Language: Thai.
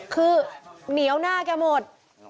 คือเหนียวหน้าแกหมด